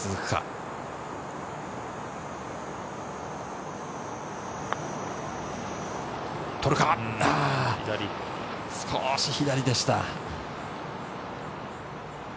いや、少し左でした。